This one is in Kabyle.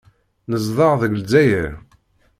Nezdeɣ deg Lezzayer.